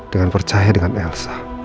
dengan percaya dengan elsa